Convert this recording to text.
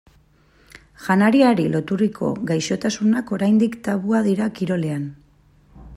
Janariari loturiko gaixotasunak oraindik tabua dira kirolean.